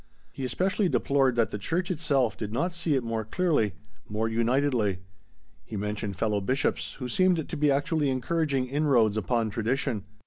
He especially deplored that the church itself did not see it more clearly, more unitedly. He mentioned fellow bishops who seemed to be actually encouraging inroads upon tradition.